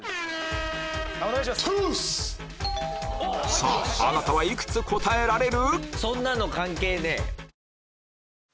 さぁあなたはいくつ答えられる？